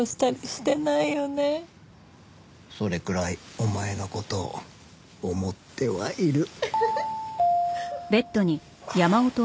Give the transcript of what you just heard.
それくらいお前の事を思ってはいる。